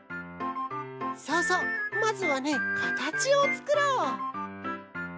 そうそうまずはねかたちをつくろう。